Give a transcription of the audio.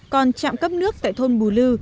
còn trạm cấp nước tại thôn bù lư